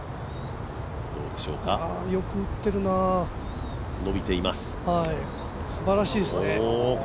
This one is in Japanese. よく打ってるな、すばらしいですね